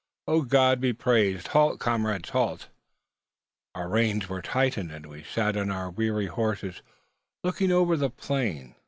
"Oh, God be praised! Halt, comrades! halt!" Our reins were tightened, and we sat on our weary horses looking over the plain.